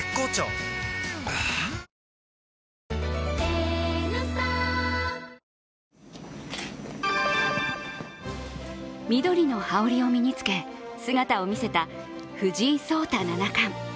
はぁ緑の羽織を身につけ姿を見せた藤井聡太七冠。